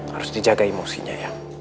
harus dijaga emosinya ya